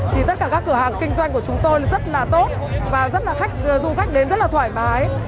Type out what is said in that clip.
thì tất cả các cửa hàng kinh doanh của chúng tôi rất là tốt và du khách đến rất là thoải mái